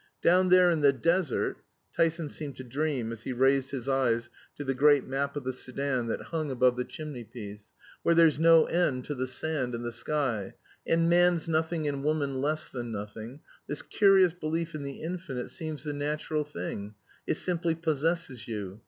"Down there in the desert" (Tyson seemed to dream as he raised his eyes to the great map of the Soudan that hung above the chimney piece), "where there's no end to the sand and the sky, and man's nothing and woman less than nothing, this curious belief in the infinite seems the natural thing; it simply possesses you.